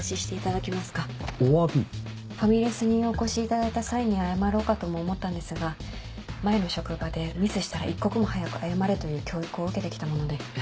ファミレスにお越しいただいた際に謝ろうかとも思ったんですが前の職場で「ミスしたら一刻も早く謝れ」という教育を受けて来たもので。